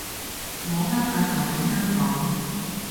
我鄉下就喺香港